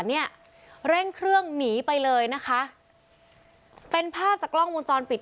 เนี่ยเร่งเครื่องหนีไปเลยนะคะเป็นภาพจากกล้องวงจรปิด